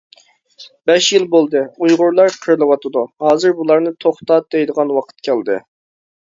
بەش يىل بولدى، ئۇيغۇرلار قىرىلىۋاتىدۇ، ھازىر بۇلارنى توختات دەيدىغان ۋاقىت كەلدى!